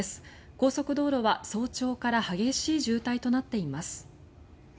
高速道路は早朝から激しい渋滞となっています。